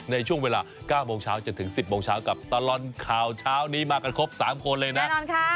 ในช่วงเวลา๙โมงเช้าจนถึง๑๐โมงเช้ากับตลอดข่าวเช้านี้มากันครบ๓คนเลยนะ